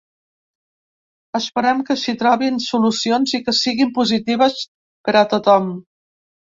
Esperem que s’hi trobin solucions i que siguin positives per a tothom.